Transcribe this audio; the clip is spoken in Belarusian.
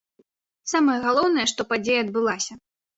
Самае галоўнае, што падзея адбылася.